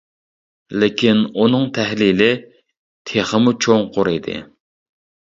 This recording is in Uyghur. لېكىن ئۇنىڭ تەھلىلى تېخىمۇ چوڭقۇر ئىدى.